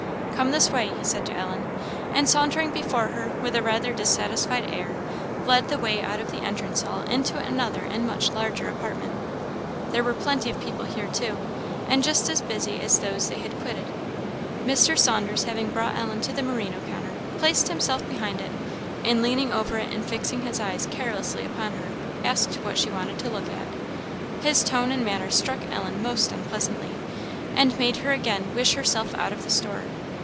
"Come this way," he said to Ellen; and sauntering before her, with a rather dissatisfied air, led the way out of the entrance hall into another and much larger apartment. There were plenty of people here too, and just as busy as those they had quitted. Mr. Saunders having brought Ellen to the merino counter, placed himself behind it, and leaning over it and fixing his eyes carelessly upon her, asked what she wanted to look at. His tone and manner struck Ellen most unpleasantly, and made her again wish herself out of the store.